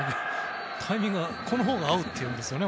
タイミング、このほうが合うっていうんですね。